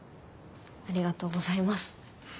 ありがとうございます。